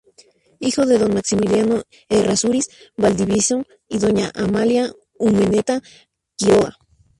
Hijo de don Maximiano Errázuriz Valdivieso y doña "Amalia Urmeneta Quiroga".